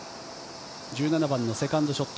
１７番のセカンドショット。